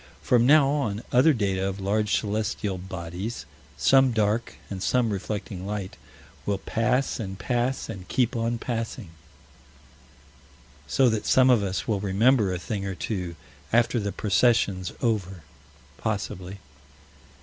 From now on other data of large celestial bodies, some dark and some reflecting light, will pass and pass and keep on passing So that some of us will remember a thing or two, after the procession's over possibly.